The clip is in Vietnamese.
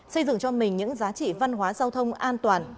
xây dựng cho mình những giá trị văn hóa giao thông an toàn